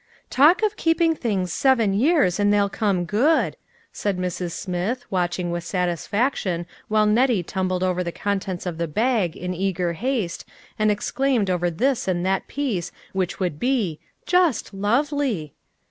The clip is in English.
"Talk of keeping things seven years and they'll come good," said Mrs. Smith, watching with satisfaction while Nettie tumbled over the contents of the bag in eager haste and exclaimed over this and that piece which would be "just lovely."